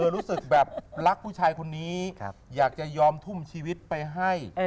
รู้สึกแบบรักผู้ชายคนนี้อยากจะยอมทุ่มชีวิตไปให้